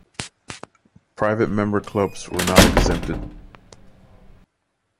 Private member clubs were not exempted.